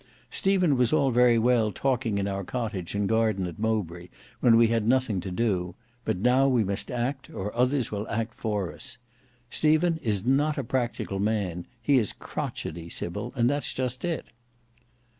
Stephen was all very well talking in our cottage and garden at Mowbray, when we had nothing to do; but now we must act, or others will act for us. Stephen is not a practical man; he is crotchety, Sybil, and that's just it."